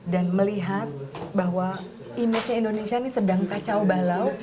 dan melihat bahwa image indonesia ini sedang kacau balau